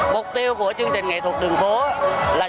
mục tiêu của chương trình nghệ thuật đường phố là chúng tôi